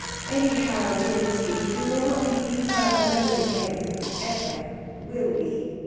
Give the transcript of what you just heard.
Anyhow, dear Miss Leech, we will not leave her alone again, ever, will we?